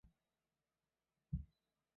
今内蒙古赤峰市有克什克腾旗。